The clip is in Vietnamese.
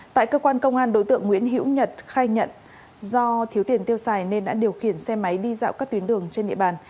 tại cơ quan công an đối tượng nguyễn hiễu nhật khai nhận do thiếu tiền tiêu xài nên đã điều khiển xe máy đi dạo các tuyến đường trên địa bàn